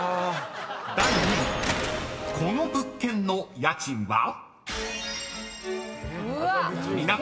［第２問この物件の家賃は？］